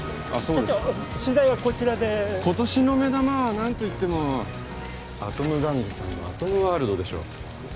社長取材はこちらで今年の目玉は何と言ってもアトム玩具さんのアトムワールドでしょう